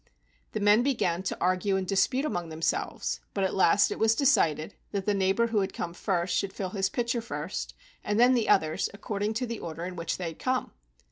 The men began to argue and dispute among themselves, but at last it was decided that the neighbor who had come first should fill his pitcher first, and then the others, according to the order in which they had come.